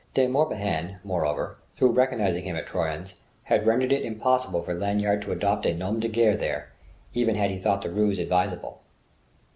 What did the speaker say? De Morbihan, moreover, through recognizing him at Troyon's, had rendered it impossible for Lanyard to adopt a nom de guerre there, even had he thought that ruse advisable.